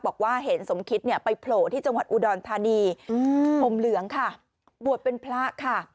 บอกว่าเห็นสมคิตเนี่ยไปโผล่ที่จังหวัดอุดรธานีผมเหลืองค่ะบวชเป็นพระค่ะ